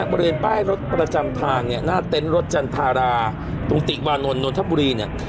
บริเวณป้ายรถประจำทางเนี่ยหน้าเต็นต์รถจันทาราตุงติวานนทบุรีเนี่ย